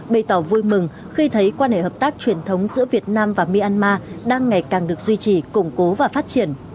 bày tỏ vui mừng khi thấy quan hệ hợp tác truyền thống giữa việt nam và myanmar đang ngày càng được duy trì củng cố và phát triển